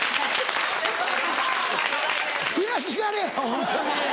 悔しがれホントに！